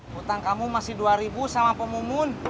hutang kamu masih dua ribu sama pemumun